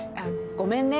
ごめんね。